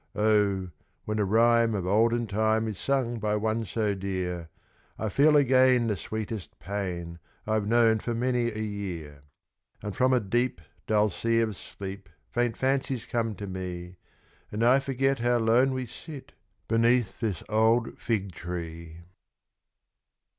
Oh! when a rhyme of olden time is sung by one so dear, I feel again the sweetest pain I've known for many a year; And from a deep, dull sea of sleep faint fancies come to me, And I forget how lone we sit beneath this old Figtree.